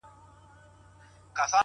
په هفتو یې سره وکړل مجلسونه!.